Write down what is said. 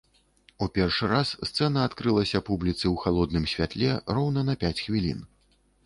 У першы раз сцэна адкрылася публіцы ў халодным святле роўна на пяць хвілін.